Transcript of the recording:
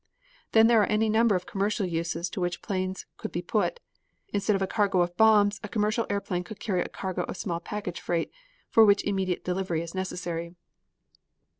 Then there are any number of commercial uses to which airplanes can be put. Instead of a cargo of bombs, a commercial airplane could carry a cargo of small package freight for which immediate delivery is necessary.